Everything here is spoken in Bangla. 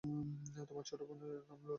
তোমার ছোট বোনের নাম লুটু, ভালো নাম ফুলেশ্বরী।